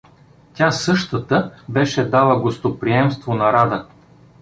Тя същата беше дала гостоприемство на Рада.